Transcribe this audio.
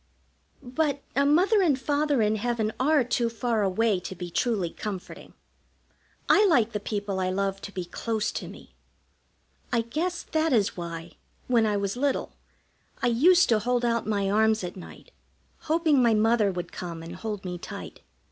But a Mother and Father in heaven are too far away to be truly comforting. I like the people I love to be close to me. I guess that is why, when I was little, I used to hold out my arms at night, hoping my Mother would come and hold me tight.